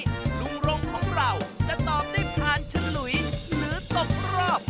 พรุ่งนี้ลูงรมของเราจะตอบได้ผ่านฉลุยหรือตกรอบ